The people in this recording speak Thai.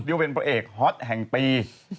ดีว่าเป็นประเอกฮ็อตแห่งปี